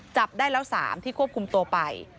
จับได้แล้ว๓ที่ควบคุมตัวไป